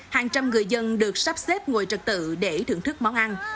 hàng trăm người dân được sắp xếp ngồi trật tự để thưởng thức món ăn